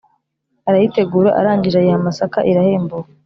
Arayitegura, arangije ayiha amasaka irahembuka